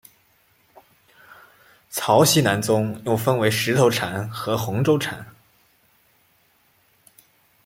曹溪南宗又分为石头禅和洪州禅。